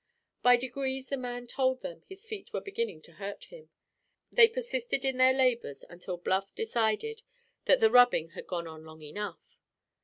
By degrees the man told them his feet were beginning to hurt him. They persisted in their labors until Bluff decided that the rubbing had gone on long enough.